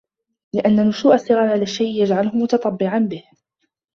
لِأَنَّ نُشُوءَ الصِّغَرِ عَلَى الشَّيْءِ يَجْعَلُهُ مُتَطَبِّعًا بِهِ